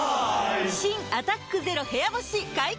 新「アタックＺＥＲＯ部屋干し」解禁‼